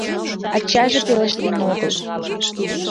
Ачаже пелештен огыл...